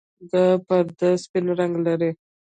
دا پرده سپین رنګ لري.